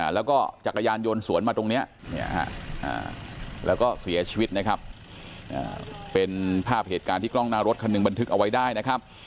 แล้วก็จักรยานยนต์สวนมาตรงนี้แล้วก็เสียชีวิตนะครับเป็นภาพเหตุการณ์ที่กล้องหน้ารถคันหนึ่งบันทึกเอาไว้ได้นะครับ